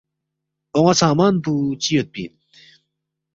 اون٘ا سامان پو چِہ یودپی اِن؟